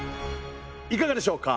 いかがでしょうか？